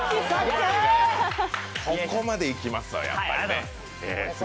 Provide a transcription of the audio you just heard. そこまでいきますか、やっぱり。